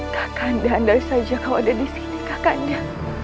kak kanda andai saja kau ada disini kak kanda